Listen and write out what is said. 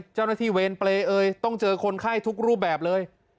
เจ้าหน้าที่เวรเปรย์เอ่ยต้องเจอคนไข้ทุกรูปแบบเลย